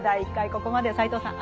ここまで斎藤さん